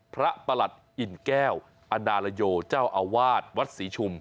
ประหลัดอิ่นแก้วอนาลโยเจ้าอาวาสวัดศรีชุม